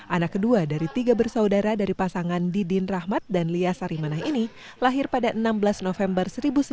anak kedua dari tiga bersaudara dari pasangan didin rahmat dan lia sarimanah ini lahir pada enam belas november seribu sembilan ratus sembilan puluh